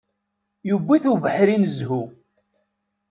Yewwi-t ubeḥri n zzhu.